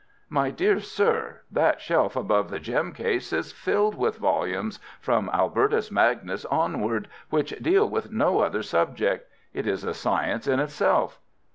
"My dear sir, that shelf above the gem case is filled with volumes, from Albertus Magnus onward, which deal with no other subject. It is a science in itself."